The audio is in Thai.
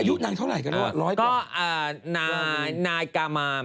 อายุนางเท่าไหร่กันร้อยกว่า